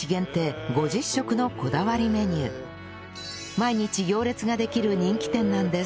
毎日行列ができる人気店なんです